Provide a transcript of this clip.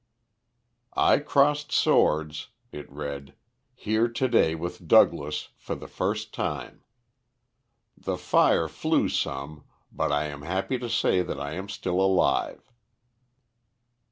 "I crossed swords," it read "here today with Douglas, for the first time. The fire flew some, but I am happy to say that I am still alive."